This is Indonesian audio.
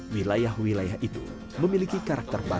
wilayah wilayah itu memiliki karakter yang berbeda